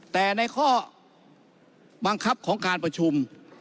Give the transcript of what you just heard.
แต่ในข้อบังคับของการประชุม